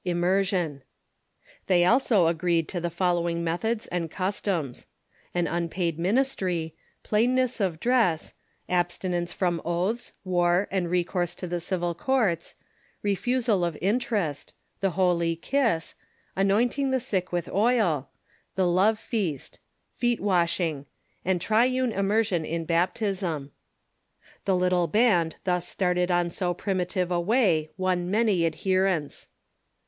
Immersion. They also agreed to the follow ing methods and customs: An unpaid ministry; plainness of dress ; abstinence from oaths, war, and recourse to the civil courts ; refusal of interest; the holy kiss; anointing the sick with oil; the love feast; feet washing; and trine immersion in baptism. The little band thus started on so primitive a way Avon many adherents.